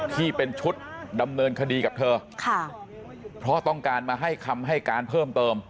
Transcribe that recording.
ที่เป็นชุดดำเนินคดีกับเธอค่ะเพราะต้องการมาให้คำให้การเพิ่มเติม